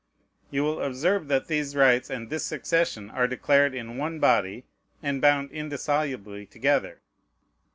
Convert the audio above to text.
You will observe that these rights and this succession are declared in one body, and bound indissolubly together.